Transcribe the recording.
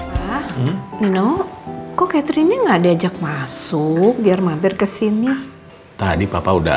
jadi makizedo ga bisa mengajak magut